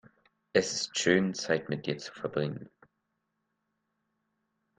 Es ist schön, Zeit mit dir zu verbringen.